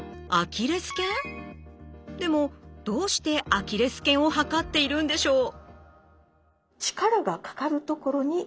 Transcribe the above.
でもどうしてアキレス腱を測っているんでしょう？